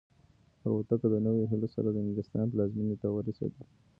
الوتکه د نویو هیلو سره د انګلستان پلازمینې ته ورسېده.